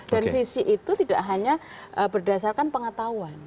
dan visi itu tidak hanya berdasarkan pengetahuan